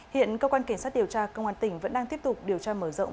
hiện cơ quan cảnh sát điều tra công an tỉnh vẫn đang tiếp tục điều tra mở rộng